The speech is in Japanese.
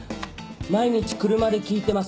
「毎日車で聴いてます」